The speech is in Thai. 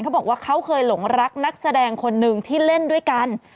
เขาบอกว่าเขาเคยหลงรักนักแสดงคนหนึ่งที่เล่นด้วยกัน